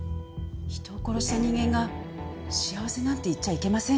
人を殺した人間が幸せなんて言っちゃいけませんよね。